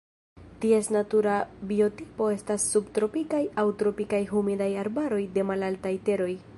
Ties natura biotopo estas subtropikaj aŭ tropikaj humidaj arbaroj de malaltaj teroj.